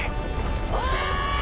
・おい！